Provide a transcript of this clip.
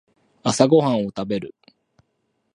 朝ごはんを食べる